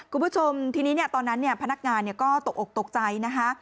คุณผู้ชมทีนี้ตอนนั้นพนักงานก็ตกอกตกใจนะคะ